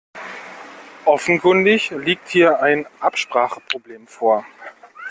Offenkundig liegt hier ein Abspracheproblem vor.